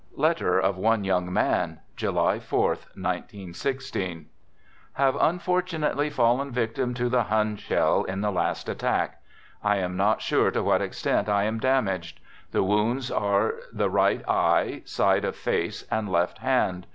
(Letter of " One Young Man ") July 4th, 19 16. Have unfortunately fallen victim to the Hun shell in the last attack. I am not sure to what extent I am damaged. The wounds are the right eye, side of face, and left hand.